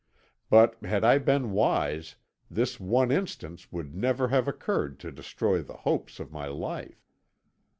But had I been wise, this one instance would never have occurred to destroy the hopes of my life.